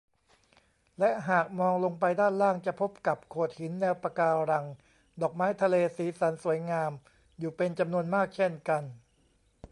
และหากมองลงไปด้านล่างจะพบกับโขดหิน แนวปะการัง ดอกไม้ทะเลสีสันสวยงามอยู่เป็นจำนวนมากเช่นกัน